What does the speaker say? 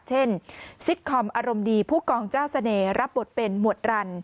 เช่นซิตคอมอารมณ์ดีผู้กองเจ้าเสน่ห์รับบทเป็นหมวดรัน